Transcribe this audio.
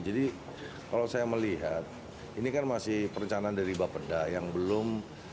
jadi kalau saya melihat ini kan masih perencanaan dari bapak dki yang belum